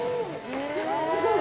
すごい。